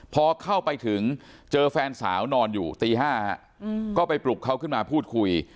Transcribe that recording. พอเข้าไปถึงเจอแฟนสาวนอนอยู่ตี๕ก็ไปปลุกเขาขึ้นมาพูดคุย